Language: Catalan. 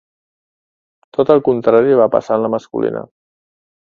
Tot el contrari va passar en la masculina.